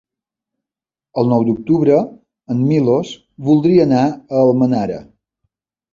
El nou d'octubre en Milos voldria anar a Almenara.